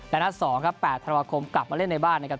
และนัด๒ครับ๘ธันวาคมกลับมาเล่นในบ้านนะครับ